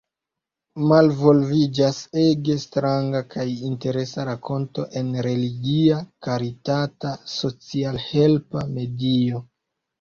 Malvolviĝas ege stranga kaj interesa rakonto en religia karitata socialhelpa medio.